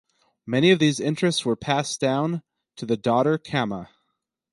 Many of these interests were passed down to the daughter Kamma.